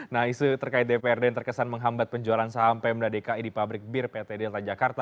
nah isu terkait dprd yang terkesan menghambat penjualan saham pmd dki di pabrik bir pt delta jakarta